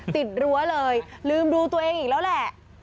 รั้วเลยลืมดูตัวเองอีกแล้วแหละ